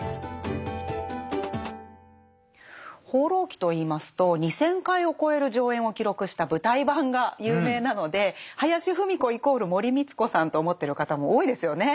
「放浪記」といいますと２０００回を超える上演を記録した舞台版が有名なので林芙美子イコール森光子さんと思ってる方も多いですよね。